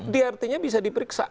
diartinya bisa diperiksa